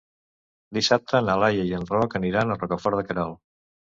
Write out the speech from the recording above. Dissabte na Laia i en Roc aniran a Rocafort de Queralt.